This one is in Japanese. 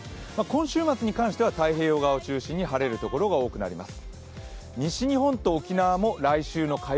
今週末に関しては太平洋側を中心に晴れる所が多くなります。